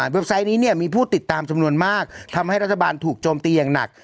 ไซต์นี้เนี่ยมีผู้ติดตามจำนวนมากทำให้รัฐบาลถูกโจมตีอย่างหนัก